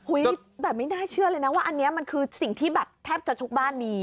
แบบไม่น่าเชื่อเลยนะว่าอันนี้มันคือสิ่งที่แบบแทบจะทุกบ้านมี